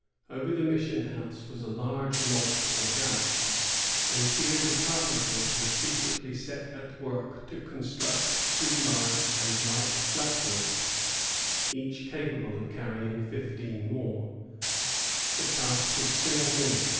Over the mission house was a large loft or garret, and here the carpenters were secretly set at work to construct two large and light flat boats, each capable of carrying fifteen men. The task was soon finished.